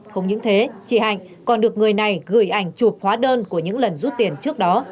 không những thế chị hạnh còn được người này gửi ảnh chụp hóa đơn của những lần rút tiền trước đó